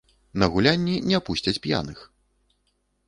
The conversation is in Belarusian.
На гулянні не пусцяць п'яных.